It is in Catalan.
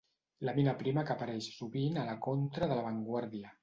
Làmina prima que apareix sovint a la contra de La Vanguardia.